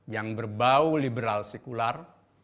yang berbau liberal sekular